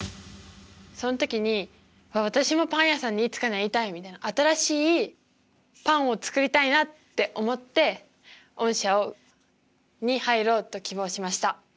その時に私もパン屋さんにいつかなりたいみたいな新しいパンを作りたいなって思って御社をに入ろうと希望しました。